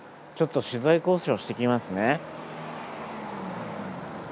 ちょっと取材交渉してきますね。